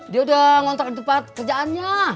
dia udah ngontrak di tempat kerjaannya